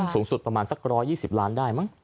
สูงสุดประมาณสัก๑๒๐ล้านได้มั้ง